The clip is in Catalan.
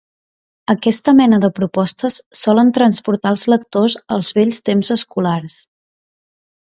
Aquesta mena de propostes solen transportar els lectors als vells temps escolars.